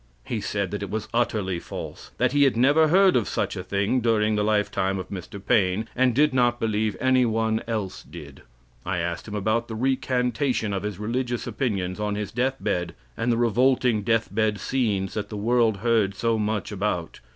He said that it was utterly false; that he never heard of such a thing during the lifetime of Mr. Paine, and did not believe anyone else did. I asked him about the recantation of his religious opinions on his deathbed, and the revolting deathbed scenes that the world heard so much about.